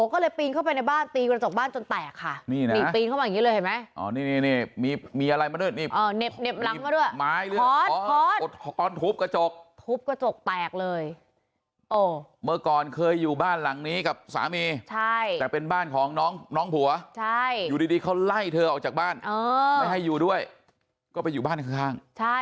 เขาบอกว่าเจตนาคือตั้งใจจะเอามาดูเธออาบน้ำ